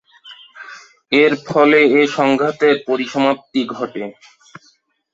এরফলে এ সংঘাতের পরিসমাপ্তি ঘটে।